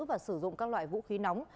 và sử dụng các loại vũ khí nóng